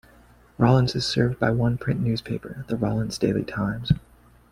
Rawlins is served by one print newspaper, the "Rawlins Daily Times".